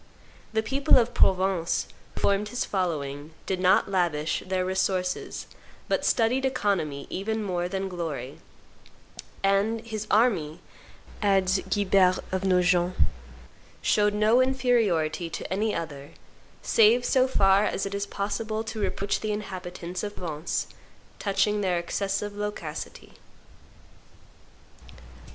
The people of Provence, who formed his following, did not lavish their resources, but studied economy even more than glory," and "his army," adds Guibert of Nogent, "showed no inferiority to any other, save so far as it is possible to reproach the inhabitants of Provence touching their excessive loquacity."